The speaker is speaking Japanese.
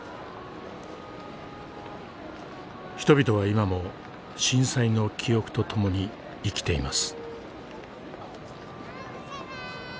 人々は今も震災の記憶と共に生きています。